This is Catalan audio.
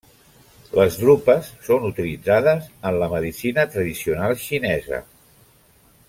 Les drupes són utilitzades en la medicina tradicional xinesa.